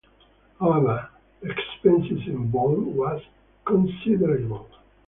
However, the expense involved was considerable.